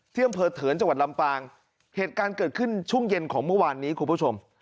อำเภอเถินจังหวัดลำปางเหตุการณ์เกิดขึ้นช่วงเย็นของเมื่อวานนี้คุณผู้ชม